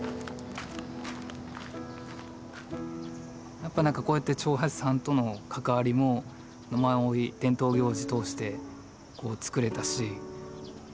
やっぱなんかこうやって長八さんとの関わりも野馬追伝統行事通して作れたしま